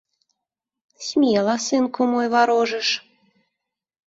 Смела, сынку мой, варожыш.